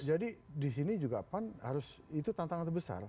jadi di sini juga pan itu tantangan terbesar